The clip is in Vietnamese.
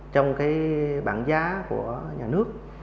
trong cái bảng giá của nhà nước